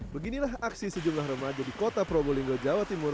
beginilah aksi sejumlah remaja di kota probolinggo jawa timur